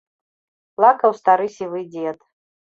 Плакаў стары сівы дзед.